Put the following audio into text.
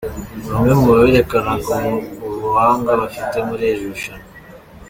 Bamwe mu berekanaga ubuhanga bafite muri iri rushanwa.